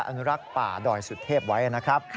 ประชาอนุรักษ์ป่าดอยสุทธิพย์ไว้นะครับ